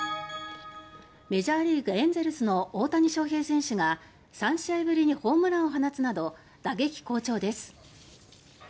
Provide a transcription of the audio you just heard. メジャーリーグ、エンゼルスの大谷翔平選手が３試合ぶりにホームランを放つなど打撃好調です。